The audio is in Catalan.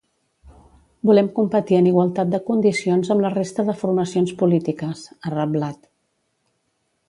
Volem competir en igualtat de condicions amb la resta de formacions polítiques, ha reblat.